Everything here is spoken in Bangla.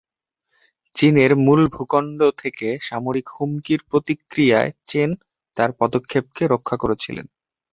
চীনের মূল ভূখণ্ড থেকে সামরিক হুমকির প্রতিক্রিয়ায় চেন তার পদক্ষেপকে রক্ষা করেছিলেন।